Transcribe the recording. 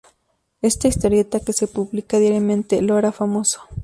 Esta historieta que se publica diariamente lo hará famoso.